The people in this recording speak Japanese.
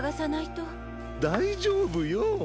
だいじょうぶよ。